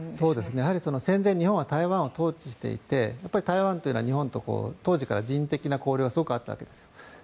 やはり戦前日本は台湾を統治していて台湾というのは日本と当時から人的な交流はすごくあったわけですよ。